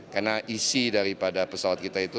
karena isi daripada pesawat kita itu